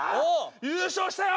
優勝したよ！